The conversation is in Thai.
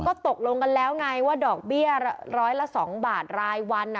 ก็ตกลงกันแล้วไงว่าดอกเบี้ยร้อยละ๒บาทรายวัน